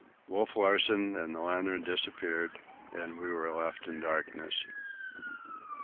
Wolf Larsen and the lantern disappeared, and we were left in darkness.